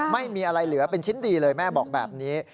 ไม่มีอะไรเหลือเป็นชิ้นดีเลยแม่บอกแบบนี้